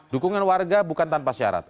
dukungan warga bukan tanpa syarat